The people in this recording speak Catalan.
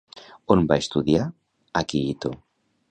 On va estudiar Akihito?